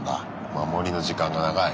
守りの時間が長い。